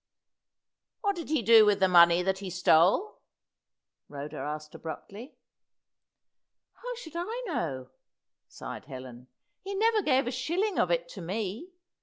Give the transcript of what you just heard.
"What did he do with the money that he stole?" Rhoda asked abruptly. "How should I know?" sighed Helen. "He never gave a shilling of it to me.